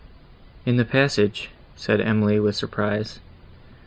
"In the passage!" said Emily, with surprise.